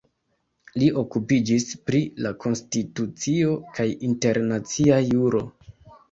Li okupiĝis pri la konstitucio kaj internacia juro.